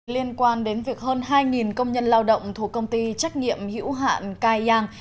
liên quan đến việc hơn hai công nhân lao động thuộc công ty trách nhiệm hữu hạn kaiyang